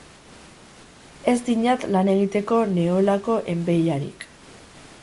Ez dinat lan egiteko neholako enbeiarik.